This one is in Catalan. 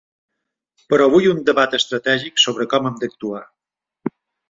Però vull un debat estratègic sobre com hem d’actuar.